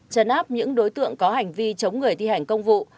chấn áp những đối tượng có hành vi chống người thi hành công vụ